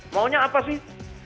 maunya apa sih